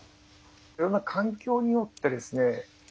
いろんな環境によってですね